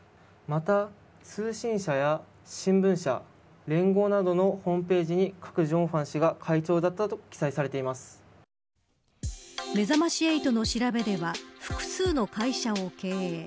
また、通信社や新聞社連合などのホームページにカク・ジョンファン氏がめざまし８の調べでは複数の会社を経営。